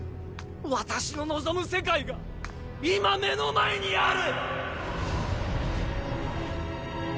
私の望む世界が今目の前にある！